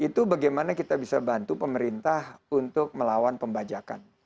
itu bagaimana kita bisa bantu pemerintah untuk melawan pembajakan